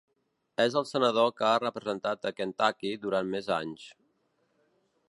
És el senador que ha representat a Kentucky durant més anys.